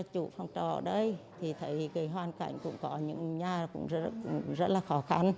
chủ phòng trọ ở đây thì thấy hoàn cảnh cũng có những nhà cũng rất là khó khăn